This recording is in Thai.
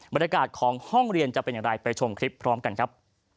บรรยากาศของห้องเรียนจะเป็นอย่างไรไปชมคลิปพร้อมกันครับ